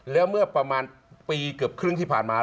แล้วเมื่อประมาณปีเกือบครึ่งที่ผ่านมา